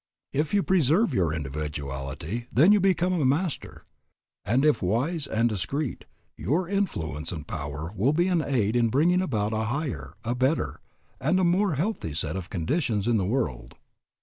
If you preserve your individuality then you become a master, and if wise and discreet, your influence and power will be an aid in bringing about a higher, a better, and a more healthy set of conditions in the world.